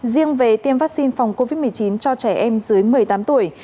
riêng về tiêm vaccine phòng covid một mươi chín cho trẻ em dưới một mươi tám tuổi